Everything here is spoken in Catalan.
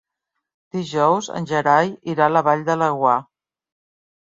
Dijous en Gerai irà a la Vall de Laguar.